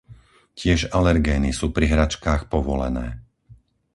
Tiež alergény sú pri hračkách povolené.